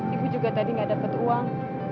ibu juga tadi gak dapet uang